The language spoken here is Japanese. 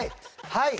はい！